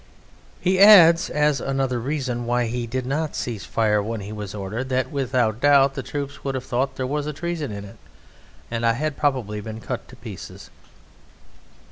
He adds as another reason why he did not cease fire when he was ordered that "without doubt the troops would have thought there was treason in it, and I had probably been cut in pieces."